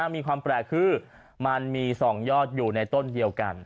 มีความแปลกคือมันมี๒ยอดอยู่ในต้นเดียวกัน